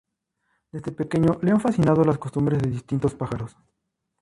Desde pequeño le han fascinado las costumbres de distintos pájaros.